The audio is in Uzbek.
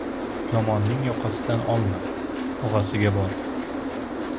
• Yomonning yoqasidan olma, og‘asiga bor.